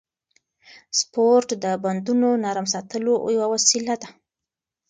سپورت د بندونو نرم ساتلو یوه وسیله ده.